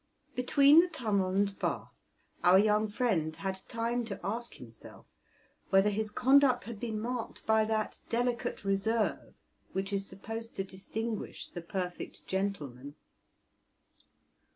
Between the tunnel and Bath our young friend had time to ask himself whether his conduct had been marked by that delicate reserve which is supposed to distinguish the perfect gentleman.